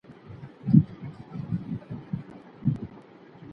وترنري ډاکټران څه کار کوي؟